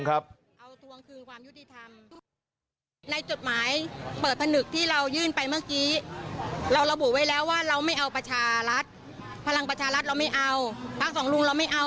พลังประชารัฐเราไม่เอาพรรคส่องรุงเราไม่เอา